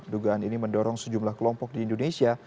dugaan ini mendorong sejumlah kelompok di indonesia